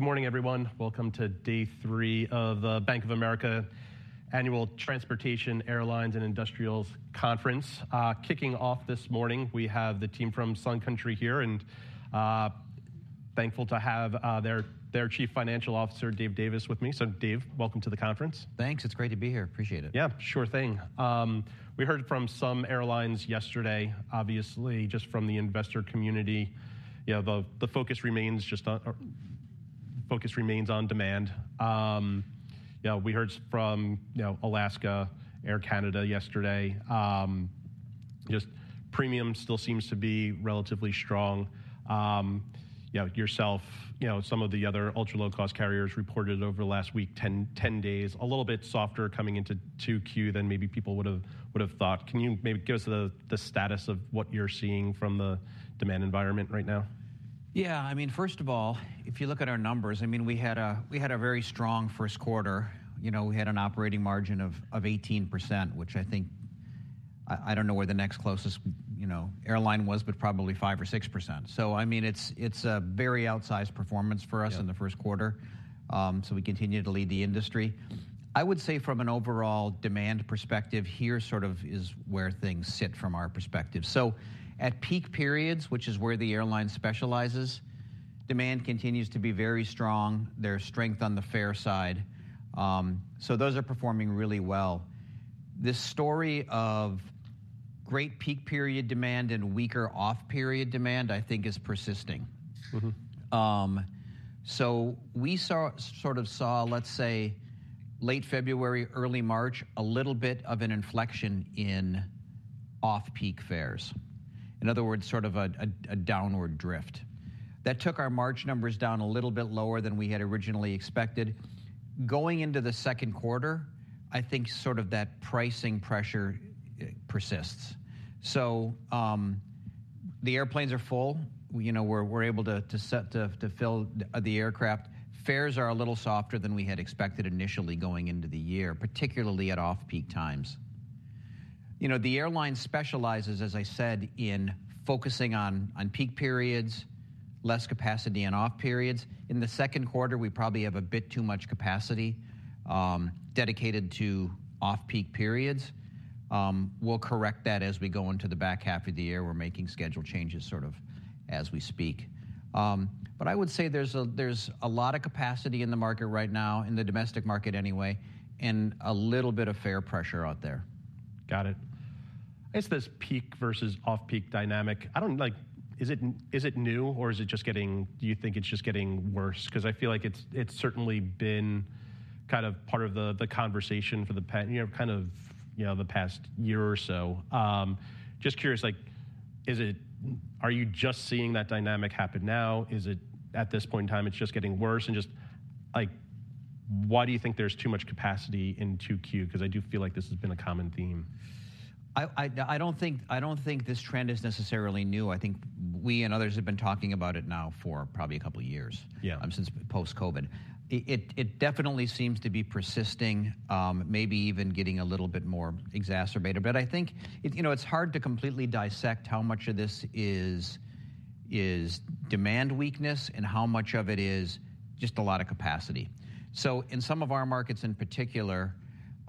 Good morning, everyone. Welcome to day three of the Bank of America Annual Transportation, Airlines, and Industrials Conference. Kicking off this morning, we have the team from Sun Country here, and thankful to have their Chief Financial Officer, Dave Davis, with me. So Dave, welcome to the conference. Thanks. It's great to be here. Appreciate it. Yeah, sure thing. We heard from some airlines yesterday, obviously, just from the investor community, you know, the focus remains just on demand. You know, we heard from, you know, Alaska, Air Canada yesterday. Just premium still seems to be relatively strong. You know, yourself, you know, some of the other ultra-low-cost carriers reported over the last week, 10 days, a little bit softer coming into 2Q than maybe people would've thought. Can you maybe give us the status of what you're seeing from the demand environment right now? Yeah, I mean, first of all, if you look at our numbers, I mean, we had a, we had a very strong first quarter. You know, we had an operating margin of, of 18%, which I think... I, I don't know where the next closest, you know, airline was, but probably 5% or 6%. So I mean, it's, it's a very outsized performance for us- Yeah... in the first quarter, so we continue to lead the industry. I would say from an overall demand perspective, here sort of is where things sit from our perspective. So at peak periods, which is where the airline specializes, demand continues to be very strong. There's strength on the fare side, so those are performing really well. The story of great peak period demand and weaker off-period demand, I think, is persisting. Mm-hmm. So we saw, sort of saw, let's say, late February, early March, a little bit of an inflection in off-peak fares. In other words, sort of a downward drift. That took our March numbers down a little bit lower than we had originally expected. Going into the second quarter, I think sort of that pricing pressure, it persists. So, the airplanes are full. We, you know, we're able to fill the aircraft. Fares are a little softer than we had expected initially going into the year, particularly at off-peak times. You know, the airline specializes, as I said, in focusing on peak periods, less capacity in off periods. In the second quarter, we probably have a bit too much capacity dedicated to off-peak periods. We'll correct that as we go into the back half of the year. We're making schedule changes sort of as we speak. But I would say there's a, there's a lot of capacity in the market right now, in the domestic market anyway, and a little bit of fare pressure out there. Got it. It's this peak versus off-peak dynamic. I don't like... Is it new, or is it just getting worse? Do you think it's just getting worse? 'Cause I feel like it's certainly been kind of part of the conversation for the past year or so, you know. Just curious, like, is it, are you just seeing that dynamic happen now? Is it, at this point in time, just getting worse? And just, like, why do you think there's too much capacity in 2Q? 'Cause I do feel like this has been a common theme. I don't think this trend is necessarily new. I think we and others have been talking about it now for probably a couple of years- Yeah... since post-COVID. It definitely seems to be persisting, maybe even getting a little bit more exacerbated. But I think it, you know, it's hard to completely dissect how much of this is demand weakness and how much of it is just a lot of capacity. So in some of our markets in particular,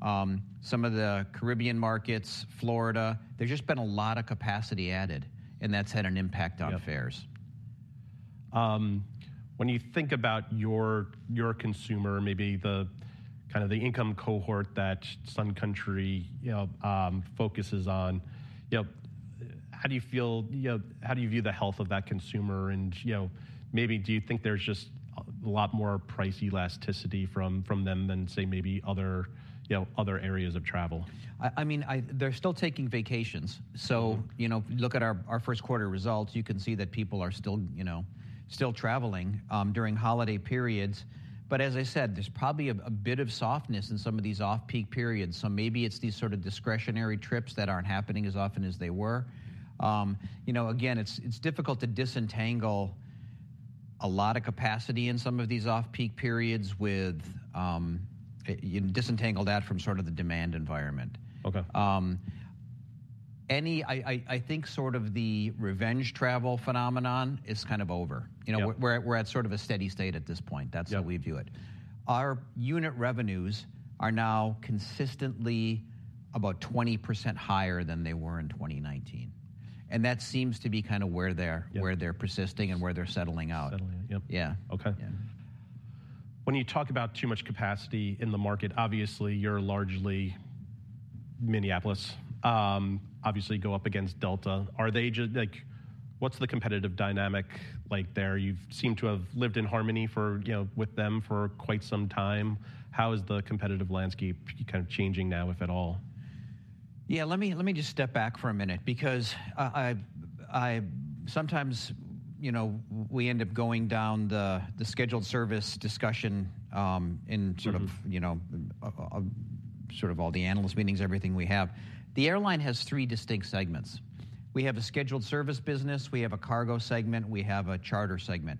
some of the Caribbean markets, Florida, there's just been a lot of capacity added, and that's had an impact- Yeah... on fares. When you think about your consumer, maybe the kind of income cohort that Sun Country, you know, focuses on, you know, how do you feel, you know, how do you view the health of that consumer? You know, maybe do you think there's just a lot more price elasticity from them than, say, maybe other areas of travel? I mean, they're still taking vacations. Mm-hmm. So, you know, if you look at our first quarter results, you can see that people are still, you know, still traveling during holiday periods. But as I said, there's probably a bit of softness in some of these off-peak periods, so maybe it's these sort of discretionary trips that aren't happening as often as they were. You know, again, it's difficult to disentangle a lot of capacity in some of these off-peak periods from sort of the demand environment. Okay. I think sort of the revenge travel phenomenon is kind of over. Yeah. You know, we're at sort of a steady state at this point. Yeah. That's how we view it. Our unit revenues are now consistently about 20% higher than they were in 2019, and that seems to be kind of where they're- Yeah... where they're persisting and where they're settling out. Settling out. Yep. Yeah. Okay. Yeah. When you talk about too much capacity in the market, obviously you're largely Minneapolis. Obviously, go up against Delta. Are they just... Like, what's the competitive dynamic like there? You've seemed to have lived in harmony for, you know, with them for quite some time. How is the competitive landscape kind of changing now, if at all? Yeah, let me just step back for a minute because I sometimes, you know, we end up going down the scheduled service discussion in sort of- Mm-hmm... you know, sort of all the analyst meetings, everything we have. The airline has three distinct segments. We have a scheduled service business. We have a cargo segment. We have a charter segment.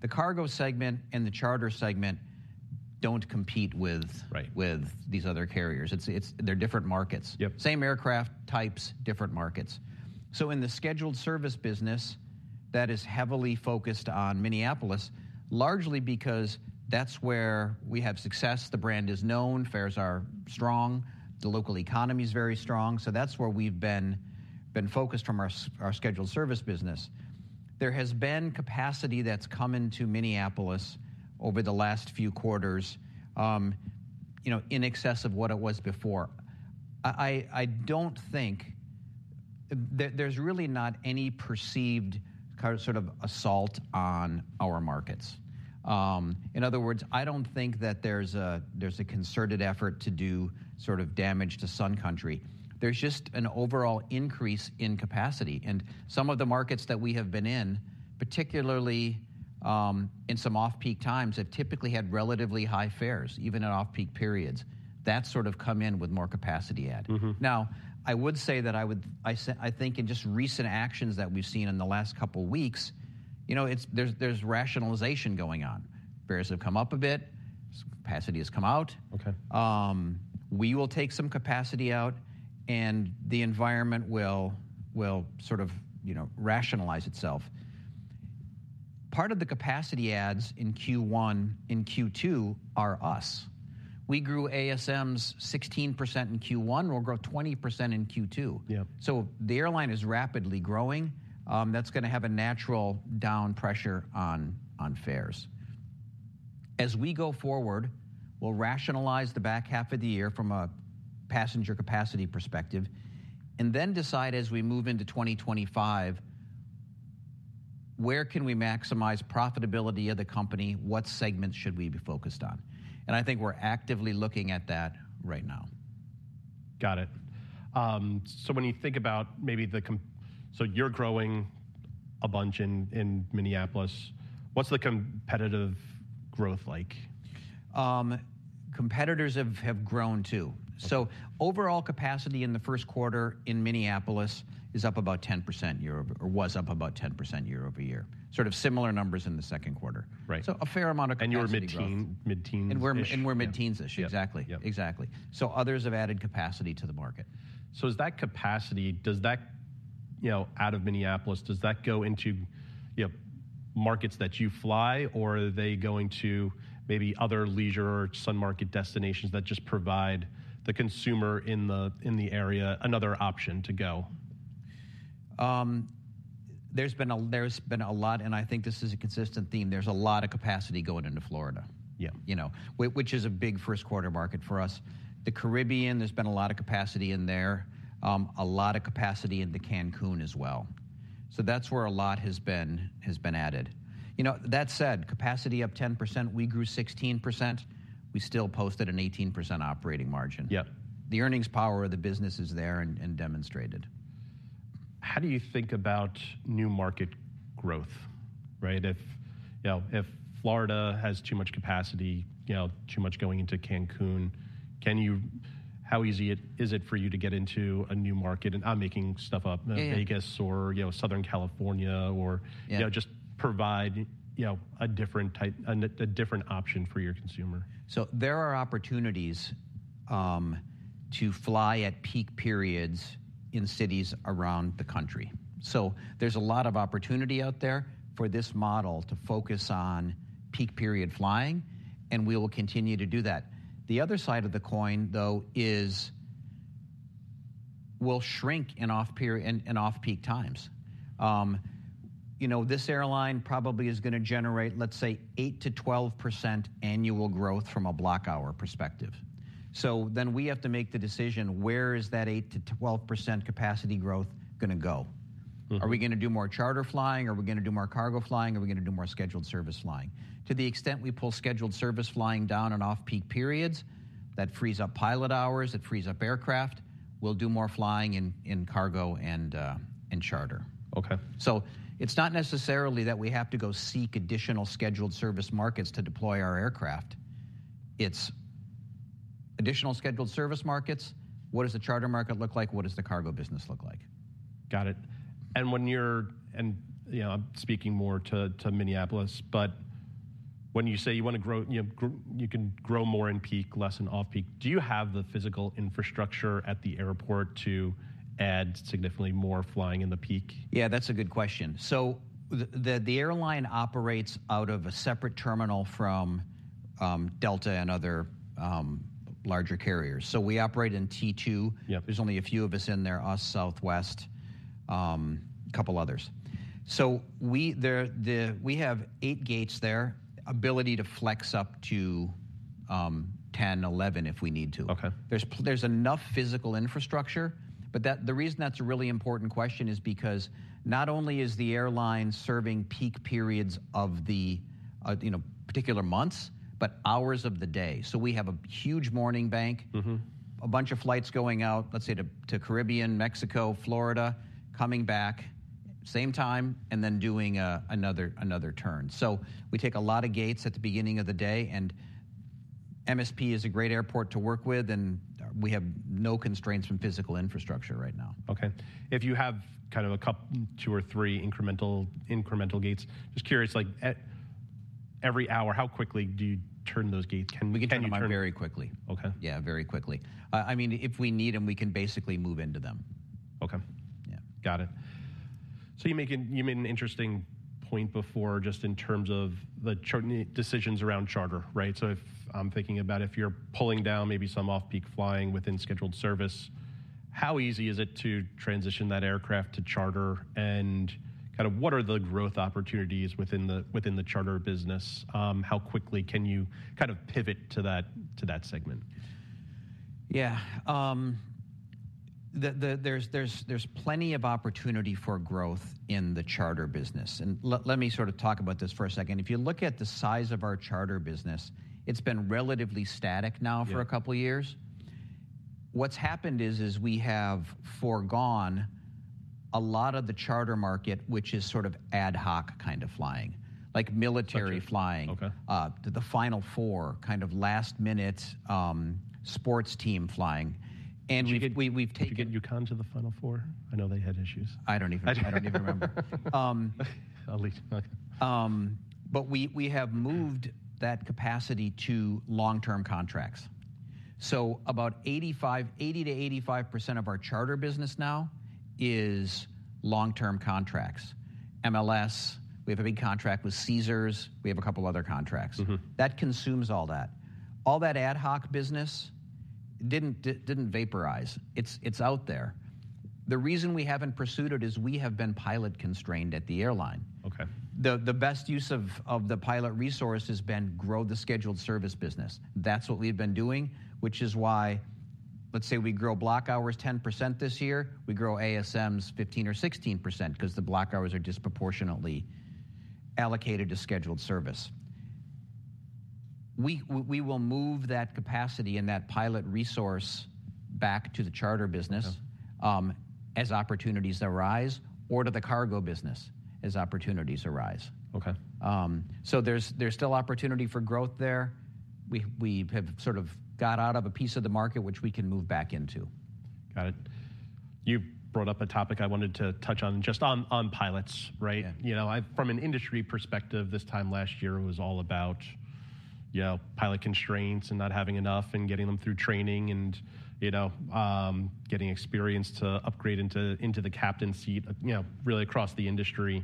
The cargo segment and the charter segment... don't compete with- Right with these other carriers. It's—they're different markets. Yep. Same aircraft types, different markets. So in the scheduled service business, that is heavily focused on Minneapolis, largely because that's where we have success. The brand is known, fares are strong, the local economy's very strong, so that's where we've been focused from our scheduled service business. There has been capacity that's come into Minneapolis over the last few quarters, you know, in excess of what it was before. I don't think... There's really not any perceived kind of, sort of assault on our markets. In other words, I don't think that there's a concerted effort to do sort of damage to Sun Country. There's just an overall increase in capacity, and some of the markets that we have been in, particularly, in some off-peak times, have typically had relatively high fares, even in off-peak periods. That's sort of come in with more capacity add. Mm-hmm. Now, I would say that, I think, in just recent actions that we've seen in the last couple weeks, you know, it's, there's, there's rationalization going on. Fares have come up a bit, some capacity has come out. Okay. We will take some capacity out, and the environment will sort of, you know, rationalize itself. Part of the capacity adds in Q1 and Q2 are us. We grew ASMs 16% in Q1, we'll grow 20% in Q2. Yep. The airline is rapidly growing. That's gonna have a natural down pressure on fares. As we go forward, we'll rationalize the back half of the year from a passenger capacity perspective, and then decide as we move into 2025, where can we maximize profitability of the company? What segments should we be focused on? I think we're actively looking at that right now. Got it. So when you think about maybe so you're growing a bunch in, in Minneapolis. What's the competitive growth like? Competitors have grown, too. Okay. Overall capacity in the first quarter in Minneapolis is up about 10% or was up about 10% year-over-year. Sort of similar numbers in the second quarter. Right. A fair amount of capacity growth. You're mid-teen, mid-teen-ish. We're mid-teens-ish. Yep. Exactly. Yep. Exactly. So others have added capacity to the market. So does that capacity, does that, you know, out of Minneapolis, does that go into, you know, markets that you fly, or are they going to maybe other leisure or sun market destinations that just provide the consumer in the, in the area another option to go? There's been a lot, and I think this is a consistent theme, there's a lot of capacity going into Florida. Yeah. You know, which is a big first quarter market for us. The Caribbean, there's been a lot of capacity in there. A lot of capacity into Cancun as well. So that's where a lot has been added. You know, that said, capacity up 10%, we grew 16%, we still posted an 18% operating margin. Yep. The earnings power of the business is there and demonstrated. How do you think about new market growth, right? If, you know, if Florida has too much capacity, you know, too much going into Cancun, can you... How easy is it for you to get into a new market? And I'm making stuff up- Yeah... Vegas or, you know, Southern California, or- Yeah... you know, just provide, you know, a different type, a different option for your consumer. So there are opportunities to fly at peak periods in cities around the country. So there's a lot of opportunity out there for this model to focus on peak period flying, and we will continue to do that. The other side of the coin, though, is we'll shrink in off-period, in off-peak times. You know, this airline probably is gonna generate, let's say, 8%-12% annual growth from a block hour perspective. So then we have to make the decision, where is that 8%-12% capacity growth gonna go? Mm-hmm. Are we gonna do more charter flying? Are we gonna do more cargo flying? Are we gonna do more scheduled service flying? To the extent we pull scheduled service flying down in off-peak periods, that frees up pilot hours, it frees up aircraft. We'll do more flying in cargo and charter. Okay. It's not necessarily that we have to go seek additional scheduled service markets to deploy our aircraft. It's additional scheduled service markets, what does the charter market look like? What does the cargo business look like? Got it. And, you know, I'm speaking more to Minneapolis, but when you say you wanna grow, you know, you can grow more in peak, less in off-peak. Do you have the physical infrastructure at the airport to add significantly more flying in the peak? Yeah, that's a good question. So the airline operates out of a separate terminal from Delta and other larger carriers. So we operate in T2. Yep. There's only a few of us in there, us, Southwest, couple others. So we have eight gates there, ability to flex up to 10, 11 if we need to. Okay. There's enough physical infrastructure, but that, the reason that's a really important question is because not only is the airline serving peak periods of the, you know, particular months, but hours of the day. So we have a huge morning bank- Mm-hmm... a bunch of flights going out, let's say to Caribbean, Mexico, Florida, coming back same time, and then doing another turn. So we take a lot of gates at the beginning of the day, and MSP is a great airport to work with, and we have no constraints from physical infrastructure right now. Okay. If you have kind of a couple two or three incremental gates, just curious, like, at every hour, how quickly do you turn those gates? Can you turn them- We can turn them very quickly. Okay. Yeah, very quickly. I mean, if we need them, we can basically move into them. Okay. Yeah. Got it. So you're making, you made an interesting point before, just in terms of the charter decisions around charter, right? So if I'm thinking about if you're pulling down maybe some off-peak flying within scheduled service, how easy is it to transition that aircraft to charter? And kind of what are the growth opportunities within the, within the charter business? How quickly can you kind of pivot to that, to that segment? Yeah. There's plenty of opportunity for growth in the charter business, and let me sort of talk about this for a second. If you look at the size of our charter business, it's been relatively static now- Yeah... for a couple years. What's happened is, we have forgone a lot of the charter market, which is sort of ad hoc kind of flying, like military flying- Okay... to the Final Four, kind of last-minute, sports team flying. And we've- Did you get- We've taken- Did you get UConn to the Final Four? I know they had issues. I don't even remember. I'll leave. But we have moved that capacity to long-term contracts. So about 80-85% of our charter business now is long-term contracts. MLS, we have a big contract with Caesars, we have a couple other contracts. Mm-hmm. That consumes all that. All that ad hoc business didn't vaporize. It's out there. The reason we haven't pursued it is we have been pilot-constrained at the airline. Okay. The best use of the pilot resource has been grow the scheduled service business. That's what we've been doing, which is why... Let's say we grow block hours 10% this year, we grow ASMs 15% or 16%, 'cause the block hours are disproportionately allocated to scheduled service. We will move that capacity and that pilot resource back to the charter business- Okay... as opportunities arise or to the cargo business as opportunities arise. Okay. So there's still opportunity for growth there. We have sort of got out of a piece of the market which we can move back into. Got it. You brought up a topic I wanted to touch on, just on pilots, right? Yeah. You know, I, from an industry perspective, this time last year was all about, you know, pilot constraints and not having enough and getting them through training and, you know, getting experience to upgrade into the captain seat, you know, really across the industry.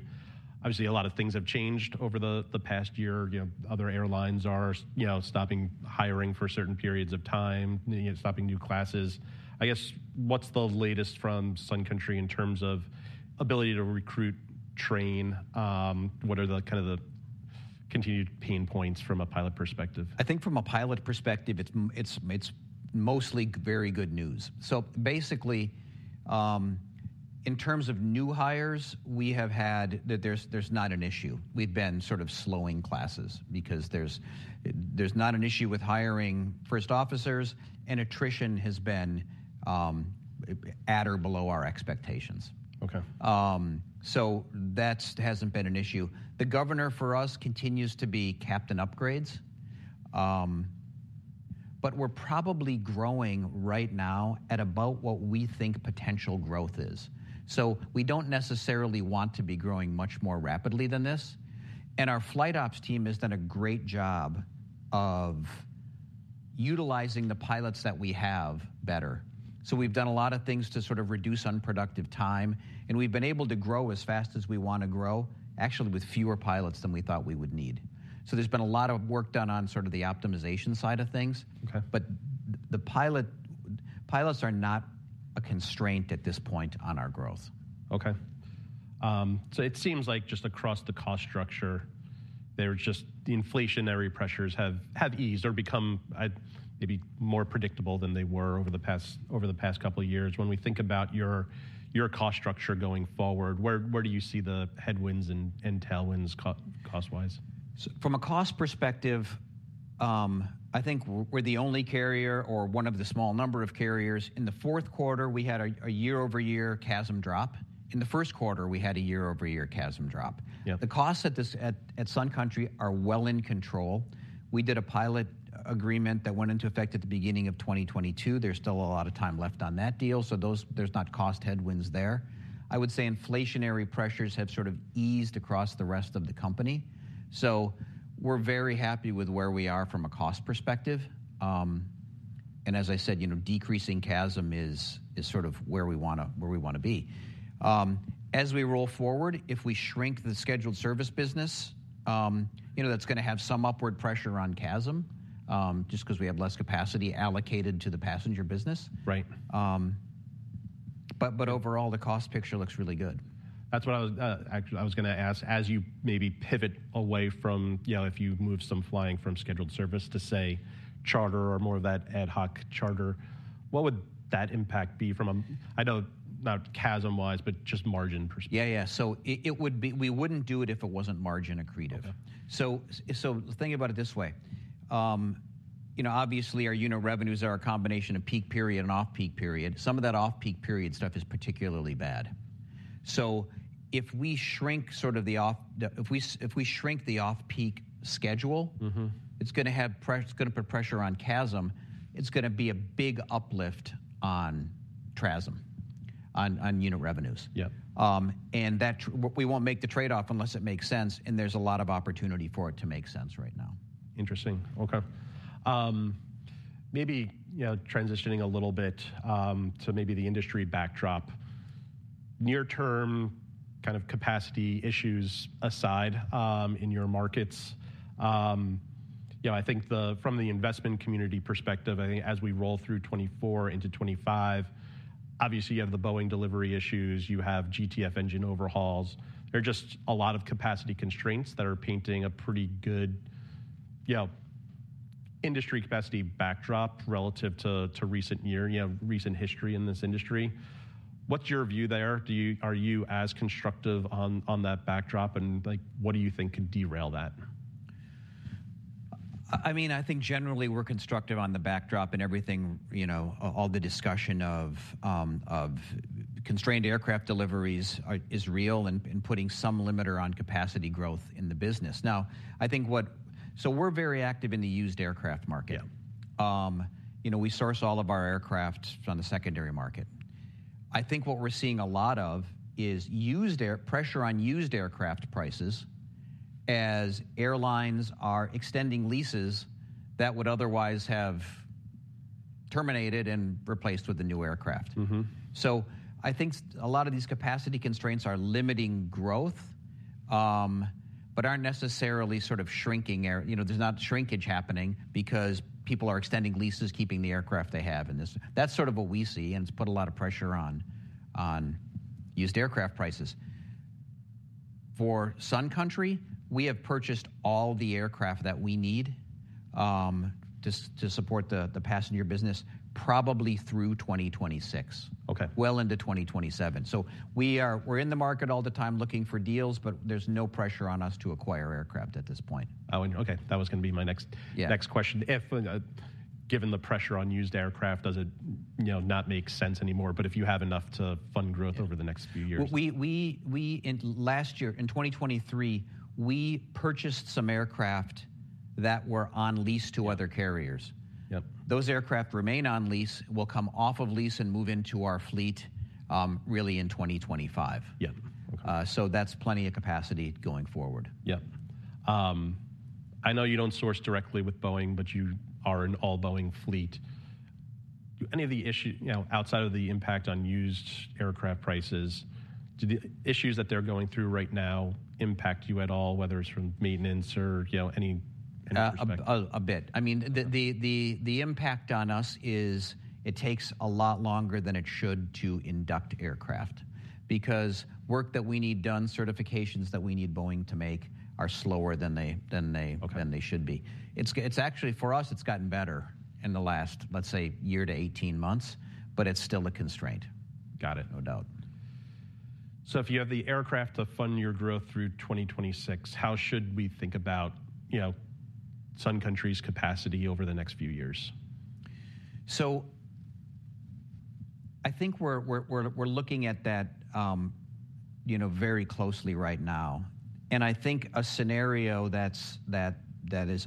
Obviously, a lot of things have changed over the past year. You know, other airlines are, you know, stopping hiring for certain periods of time, and, you know, stopping new classes. I guess, what's the latest from Sun Country in terms of ability to recruit, train? What are the kind of the continued pain points from a pilot perspective? I think from a pilot perspective, it's mostly very good news. So basically, in terms of new hires, we have had. There's not an issue. We've been sort of slowing classes because there's not an issue with hiring first officers, and attrition has been at or below our expectations. Okay. So that's hasn't been an issue. The governor for us continues to be captain upgrades. But we're probably growing right now at about what we think potential growth is. So we don't necessarily want to be growing much more rapidly than this, and our flight ops team has done a great job of utilizing the pilots that we have better. So we've done a lot of things to sort of reduce unproductive time, and we've been able to grow as fast as we want to grow, actually, with fewer pilots than we thought we would need. So there's been a lot of work done on sort of the optimization side of things. Okay. Pilots are not a constraint at this point on our growth. Okay. So it seems like just across the cost structure, there's just the inflationary pressures have eased or become maybe more predictable than they were over the past couple of years. When we think about your cost structure going forward, where do you see the headwinds and tailwinds cost-wise? So from a cost perspective, I think we're the only carrier or one of the small number of carriers. In the fourth quarter, we had a year-over-year CASM drop. In the first quarter, we had a year-over-year CASM drop. Yeah. The costs at Sun Country are well in control. We did a pilot agreement that went into effect at the beginning of 2022. There's still a lot of time left on that deal, so there's not cost headwinds there. I would say inflationary pressures have sort of eased across the rest of the company. So we're very happy with where we are from a cost perspective. And as I said, you know, decreasing CASM is sort of where we wanna be. As we roll forward, if we shrink the scheduled service business, you know, that's gonna have some upward pressure on CASM, just 'cause we have less capacity allocated to the passenger business. Right. But overall, the cost picture looks really good. That's what I was, actually, I was gonna ask: as you maybe pivot away from, you know, if you move some flying from scheduled service to, say, charter or more of that ad hoc charter, what would that impact be from a... I know, not CASM-wise, but just margin perspective? Yeah, yeah. So we wouldn't do it if it wasn't margin accretive. Okay. So, so think about it this way. You know, obviously, our unit revenues are a combination of peak period and off-peak period. Some of that off-peak period stuff is particularly bad... So if we shrink sort of the off-peak schedule- Mm-hmm. It's gonna put pressure on CASM. It's gonna be a big uplift on TRASM, on unit revenues. Yep. And that we won't make the trade-off unless it makes sense, and there's a lot of opportunity for it to make sense right now. Interesting. Okay. Maybe, you know, transitioning a little bit, so maybe the industry backdrop. Near-term kind of capacity issues aside, in your markets, you know, I think the, from the investment community perspective, I think as we roll through 2024 into 2025, obviously you have the Boeing delivery issues. You have GTF engine overhauls. There are just a lot of capacity constraints that are painting a pretty good, you know, industry capacity backdrop relative to, to recent year, you know, recent history in this industry. What's your view there? Are you as constructive on that backdrop, and, like, what do you think could derail that? I mean, I think generally we're constructive on the backdrop and everything, you know, all the discussion of constrained aircraft deliveries are, is real, and putting some limiter on capacity growth in the business. Now, I think what... So we're very active in the used aircraft market. Yeah. You know, we source all of our aircraft from the secondary market. I think what we're seeing a lot of is used aircraft pressure on used aircraft prices as airlines are extending leases that would otherwise have terminated and replaced with the new aircraft. Mm-hmm. So I think a lot of these capacity constraints are limiting growth, but aren't necessarily sort of shrinking air. You know, there's not shrinkage happening because people are extending leases, keeping the aircraft they have in this. That's sort of what we see, and it's put a lot of pressure on used aircraft prices. For Sun Country, we have purchased all the aircraft that we need just to support the passenger business, probably through 2026- Okay. Well into 2027. So we're in the market all the time looking for deals, but there's no pressure on us to acquire aircraft at this point. Oh, and, okay, that was gonna be my next- Yeah... next question. If, given the pressure on used aircraft, does it, you know, not make sense anymore? But if you have enough to fund growth over the next few years. We, in last year, in 2023, we purchased some aircraft that were on lease to other carriers. Yep. Those aircraft remain on lease, will come off of lease and move into our fleet, really in 2025. Yeah. Okay. So that's plenty of capacity going forward. Yep. I know you don't source directly with Boeing, but you are an all-Boeing fleet. Do any of the issues, you know, outside of the impact on used aircraft prices, do the issues that they're going through right now impact you at all, whether it's from maintenance or, you know, any perspective? A bit. I mean- Okay... the impact on us is it takes a lot longer than it should to induct aircraft. Because work that we need done, certifications that we need Boeing to make, are slower than they- Okay... than they should be. It's actually, for us, it's gotten better in the last, let's say, year to 18 months, but it's still a constraint. Got it. No doubt. So if you have the aircraft to fund your growth through 2026, how should we think about, you know, Sun Country's capacity over the next few years? So I think we're looking at that, you know, very closely right now, and I think a scenario that's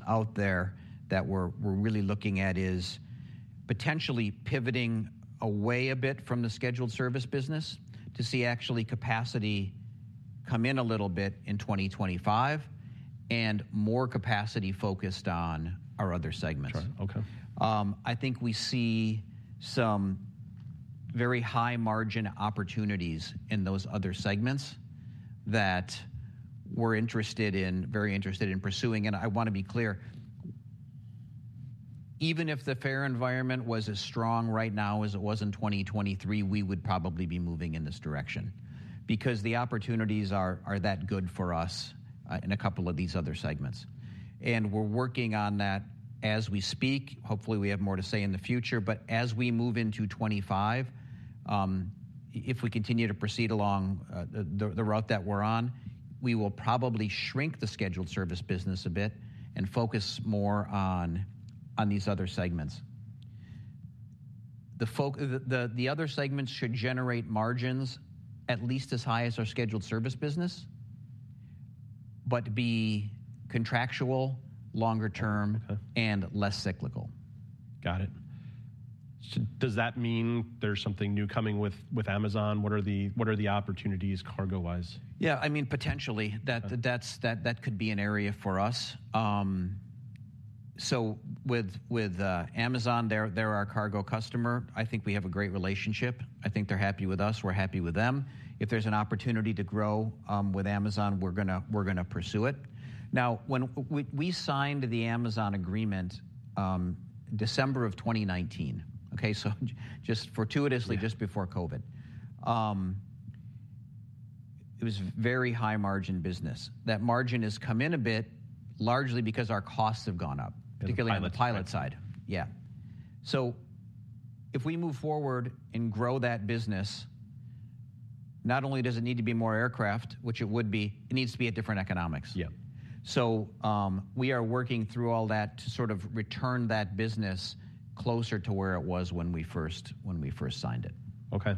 out there that we're really looking at is potentially pivoting away a bit from the scheduled service business to see actually capacity come in a little bit in 2025, and more capacity focused on our other segments. Right. Okay. I think we see some very high margin opportunities in those other segments that we're interested in, very interested in pursuing. And I wanna be clear, even if the fare environment was as strong right now as it was in 2023, we would probably be moving in this direction, because the opportunities are that good for us in a couple of these other segments. And we're working on that as we speak. Hopefully, we have more to say in the future, but as we move into 2025, if we continue to proceed along the route that we're on, we will probably shrink the scheduled service business a bit and focus more on these other segments. The other segments should generate margins at least as high as our scheduled service business, but be contractual, longer term- Okay... and less cyclical. Got it. So does that mean there's something new coming with, with Amazon? What are the, what are the opportunities cargo-wise? Yeah, I mean, potentially, that could be an area for us. So with Amazon, they're our cargo customer. I think we have a great relationship. I think they're happy with us; we're happy with them. If there's an opportunity to grow with Amazon, we're gonna pursue it. Now, when we signed the Amazon agreement, December of 2019, okay? So just fortuitously- Yeah... just before COVID. It was very high-margin business. That margin has come in a bit, largely because our costs have gone up- In the pilot.... particularly on the pilot side. Yeah. So if we move forward and grow that business, not only does it need to be more aircraft, which it would be, it needs to be at different economics. Yep. We are working through all that to sort of return that business closer to where it was when we first signed it. Okay.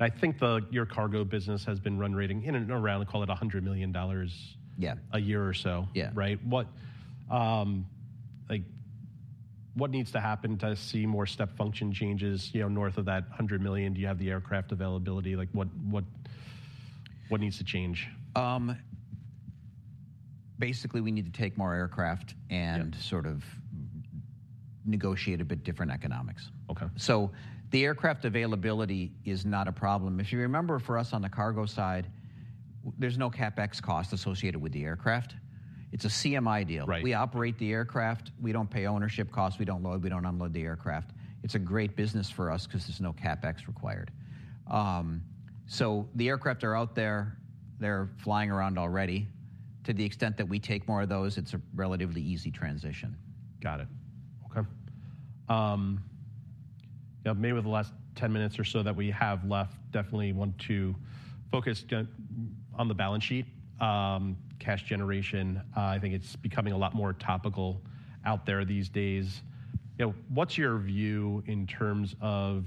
I think your cargo business has been running in and around, call it $100 million- Yeah a year or so. Yeah. Right? What, like, what needs to happen to see more step function changes, you know, north of that $100 million? Do you have the aircraft availability? Like, what, what, what needs to change? Basically, we need to take more aircraft- Yep and sort of negotiate a bit different economics. Okay. So the aircraft availability is not a problem. If you remember, for us on the cargo side, there's no CapEx cost associated with the aircraft. It's a CMI deal. Right. We operate the aircraft. We don't pay ownership costs. We don't load, we don't unload the aircraft. It's a great business for us 'cause there's no CapEx required. So the aircraft are out there. They're flying around already. To the extent that we take more of those, it's a relatively easy transition. Got it. Okay. Now maybe with the last 10 minutes or so that we have left, definitely want to focus on the balance sheet. Cash generation, I think it's becoming a lot more topical out there these days. You know, what's your view in terms of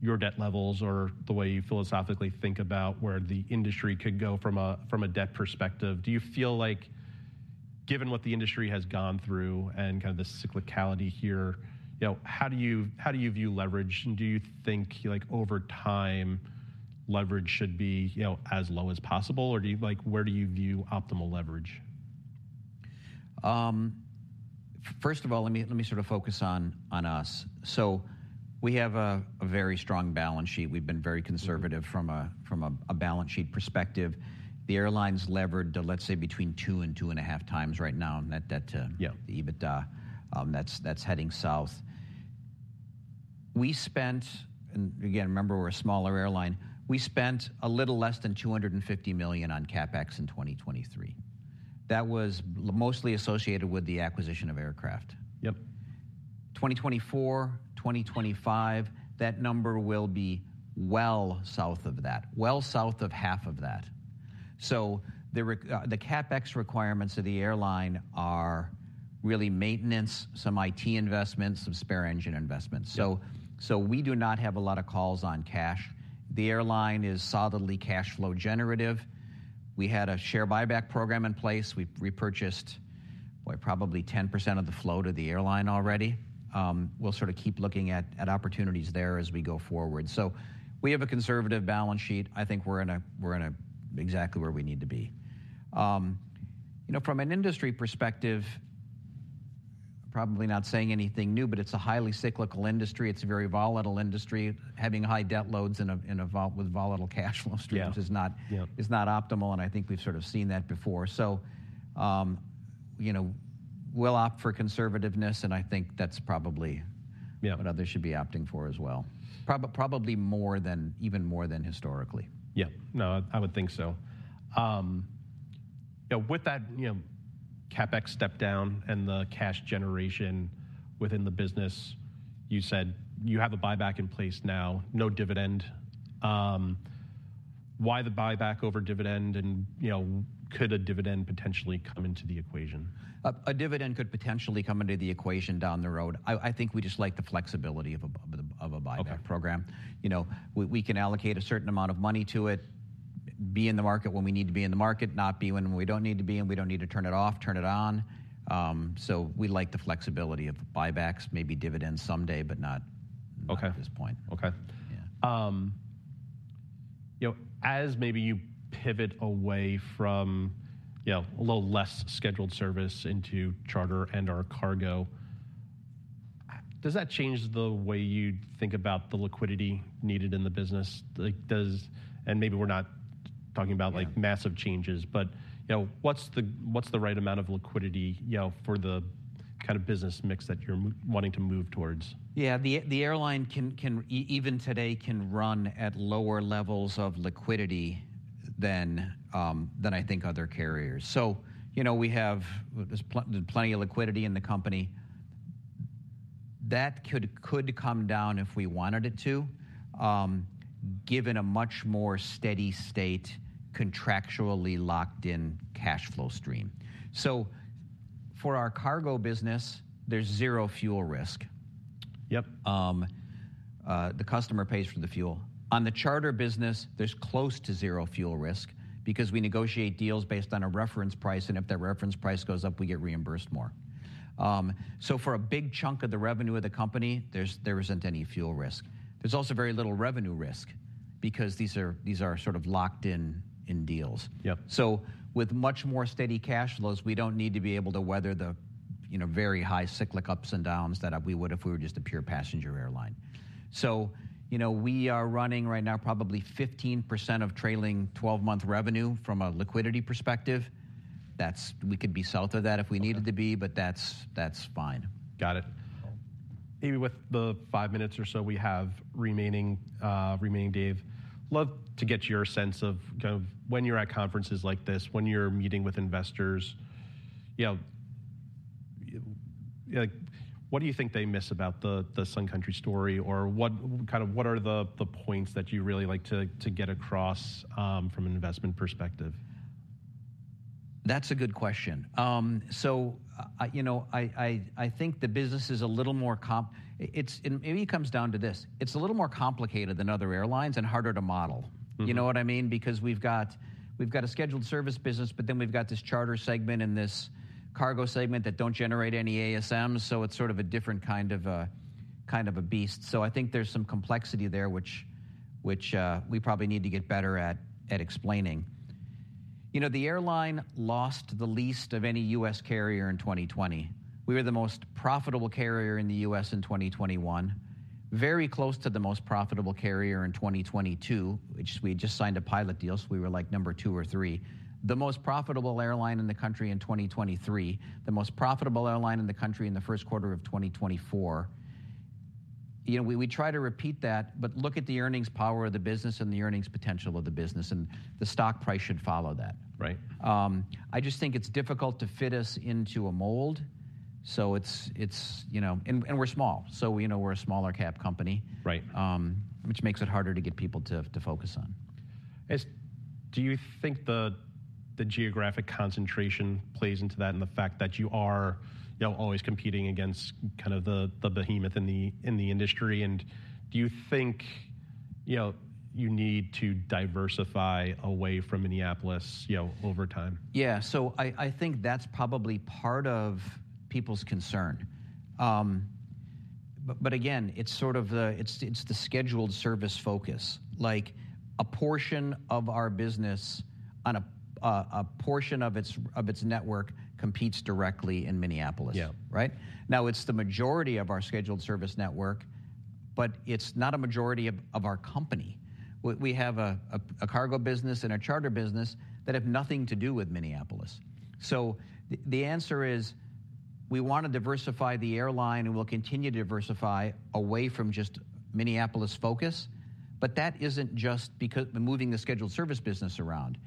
your debt levels or the way you philosophically think about where the industry could go from a, from a debt perspective? Do you feel like, given what the industry has gone through and kind of the cyclicality here, you know, how do you, how do you view leverage? And do you think, like, over time, leverage should be, you know, as low as possible, or do you... Like, where do you view optimal leverage? First of all, let me, let me sort of focus on, on us. So we have a, a very strong balance sheet. We've been very conservative. Mm... from a balance sheet perspective. The airline's levered to, let's say, between 2 and 2.5 times right now, and that, Yeah... the EBITDA, that's heading south. We spent... Again, remember, we're a smaller airline. We spent a little less than $250 million on CapEx in 2023. That was mostly associated with the acquisition of aircraft. Yep. 2024, 2025, that number will be well south of that, well south of half of that. So the CapEx requirements of the airline are really maintenance, some IT investments, some spare engine investments. Yep. So, we do not have a lot of calls on cash. The airline is solidly cash-flow generative. We had a share buyback program in place. We repurchased, boy, probably 10% of the flow to the airline already. We'll sort of keep looking at opportunities there as we go forward. So we have a conservative balance sheet. I think we're in a... exactly where we need to be. You know, from an industry perspective, probably not saying anything new, but it's a highly cyclical industry. It's a very volatile industry. Having high debt loads with volatile cash flows- Yeah... is not- Yep... is not optimal, and I think we've sort of seen that before. So, you know, we'll opt for conservativeness, and I think that's probably- Yeah... what others should be opting for as well, probably more than, even more than historically. Yeah. No, I would think so. Now with that, you know, CapEx step-down and the cash generation within the business, you said you have a buyback in place now, no dividend. Why the buyback over dividend, and, you know, could a dividend potentially come into the equation? A dividend could potentially come into the equation down the road. I think we just like the flexibility of a buyback- Okay... program. You know, we can allocate a certain amount of money to it, be in the market when we need to be in the market, not be when we don't need to be, and we don't need to turn it off, turn it on. So we like the flexibility of buybacks. Maybe dividends someday, but not- Okay... at this point. Okay. Yeah. You know, as maybe you pivot away from, you know, a little less scheduled service into charter and/or cargo, does that change the way you think about the liquidity needed in the business? Like, does... And maybe we're not talking about- Yeah... like, massive changes, but, you know, what's the, what's the right amount of liquidity, you know, for the kind of business mix that you're m- wanting to move towards? Yeah, the airline can even today can run at lower levels of liquidity than than I think other carriers. So, you know, we have... There's plenty of liquidity in the company. That could come down if we wanted it to, given a much more steady state, contractually locked-in cash flow stream. So for our cargo business, there's zero fuel risk. Yep. The customer pays for the fuel. On the charter business, there's close to zero fuel risk because we negotiate deals based on a reference price, and if that reference price goes up, we get reimbursed more. So for a big chunk of the revenue of the company, there isn't any fuel risk. There's also very little revenue risk because these are sort of locked in deals. Yep. So with much more steady cash flows, we don't need to be able to weather the, you know, very high cyclic ups and downs that we would if we were just a pure passenger airline. So, you know, we are running right now probably 15% of trailing 12-month revenue from a liquidity perspective. That's... We could be south of that if we needed to be- Okay... but that's, that's fine. Got it. Maybe with the five minutes or so we have remaining, remaining, Dave, love to get your sense of kind of when you're at conferences like this, when you're meeting with investors, you know, like, what do you think they miss about the Sun Country story? Or what, kind of what are the points that you really like to get across from an investment perspective? That's a good question. So, you know, I think the business is a little more complicated. And maybe it comes down to this: it's a little more complicated than other airlines and harder to model. Mm-hmm. You know what I mean? Because we've got, we've got a scheduled service business, but then we've got this charter segment and this cargo segment that don't generate any ASM, so it's sort of a different kind of a, kind of a beast. So I think there's some complexity there, which we probably need to get better at explaining. You know, the airline lost the least of any U.S. carrier in 2020. We were the most profitable carrier in the U.S. in 2021, very close to the most profitable carrier in 2022, which we had just signed a pilot deal, so we were, like, number two or three. The most profitable airline in the country in 2023, the most profitable airline in the country in the first quarter of 2024. You know, we, we try to repeat that, but look at the earnings power of the business and the earnings potential of the business, and the stock price should follow that. Right. I just think it's difficult to fit us into a mold, so it's... You know, and we're small, so, you know, we're a smaller cap company- Right... which makes it harder to get people to focus on. Do you think the geographic concentration plays into that, and the fact that you are, you know, always competing against kind of the behemoth in the industry? Do you think, you know, you need to diversify away from Minneapolis, you know, over time? Yeah, so I think that's probably part of people's concern. But again, it's sort of the scheduled service focus. Like, a portion of our business, a portion of its network competes directly in Minneapolis- Yeah... right? Now, it's the majority of our scheduled service network, but it's not a majority of our company. We have a cargo business and a charter business that have nothing to do with Minneapolis. So the answer is, we want to diversify the airline, and we'll continue to diversify away from just Minneapolis focus, but that isn't just because we're moving the scheduled service business around.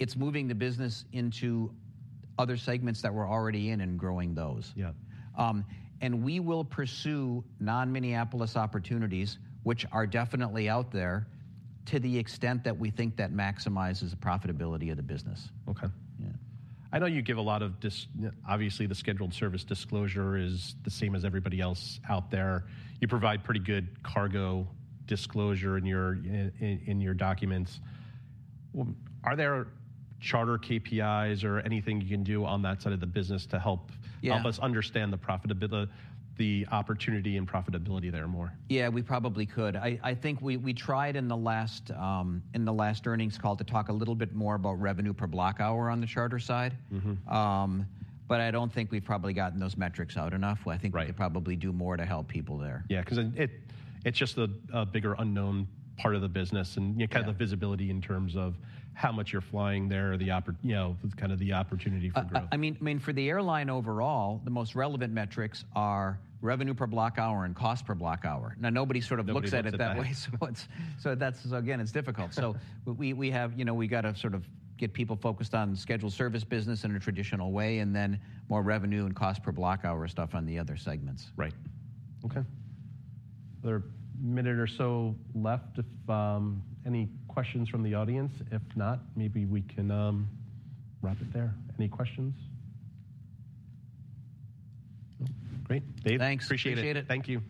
It's moving the business into other segments that we're already in and growing those. Yeah. We will pursue non-Minneapolis opportunities, which are definitely out there, to the extent that we think that maximizes the profitability of the business. Okay. Yeah. I know you give a lot of disclosure, obviously, the scheduled service disclosure is the same as everybody else out there. You provide pretty good cargo disclosure in your documents. Well, are there charter KPIs or anything you can do on that side of the business to help- Yeah... help us understand the profitability, the opportunity and profitability there more? Yeah, we probably could. I think we tried in the last earnings call to talk a little bit more about revenue per block hour on the charter side. Mm-hmm. But I don't think we've probably gotten those metrics out enough. Right. I think we could probably do more to help people there. Yeah, 'cause it, it's just a bigger unknown part of the business, and- Yeah... you kind of the visibility in terms of how much you're flying there or the, you know, kind of the opportunity for growth. I mean, for the airline overall, the most relevant metrics are revenue per block hour and cost per block hour. Now, nobody sort of looks at it that way. Nobody looks at it.... so that's, again, it's difficult. So we have, you know, we gotta sort of get people focused on the scheduled service business in a traditional way, and then more revenue and cost per block hour stuff on the other segments. Right. Okay. Another minute or so left if any questions from the audience. If not, maybe we can wrap it there. Any questions? Well, great, Dave. Thanks. Appreciate it. Appreciate it. Thank you.